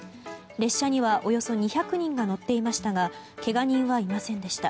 列車にはおよそ２００人が乗っていましたがけが人はいませんでした。